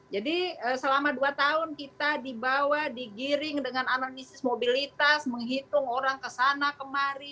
jadi selama dua tahun kita dibawa digiring dengan analisis mobilitas menghitung orang kesana kemari